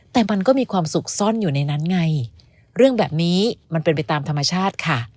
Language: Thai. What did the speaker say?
แต่มันก็มีความสุขซ่อนอยู่ในนั้นไงเรื่องแบบนี้มันเป็นไปตามธรรมชาติค่ะ